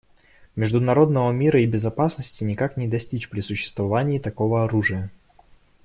Международного мира и безопасности никак не достичь при существовании такого оружия.